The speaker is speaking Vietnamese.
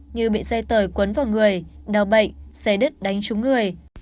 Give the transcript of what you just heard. như bị dây tời cuốn vào người đào bệnh xe đứt đánh trúng người